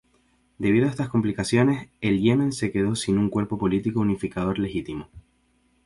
Debido a estas complicaciones, el Yemen se quedó sin un cuerpo político unificador legítimo.